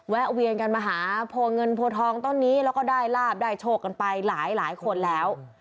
แวนกันมาหาโพเงินโพทองต้นนี้แล้วก็ได้ลาบได้โชคกันไปหลายคนแล้ว